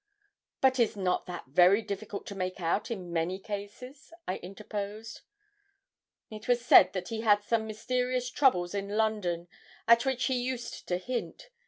'But is not that very difficult to make out in many cases?' I interposed. 'It was said that he had some mysterious troubles in London, at which he used to hint.